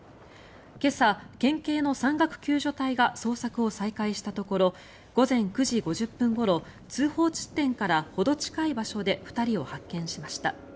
今朝、県警の山岳救助隊が捜索を再開したところ午前９時５０分ごろ通報地点からほど近い場所で２人を発見しました。